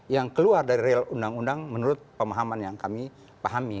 yang keluar dari real undang undang menurut pemahaman yang kami pahami